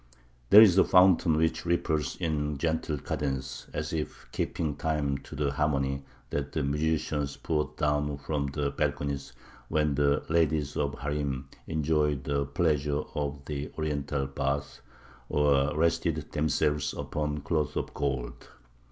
There is the fountain which ripples in gentle cadence, as if keeping time to the harmony that the musicians poured down from the balconies when the ladies of the harim enjoyed the pleasures of the Oriental bath, or rested themselves upon cloth of gold.